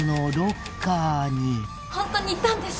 「ホントにいたんです」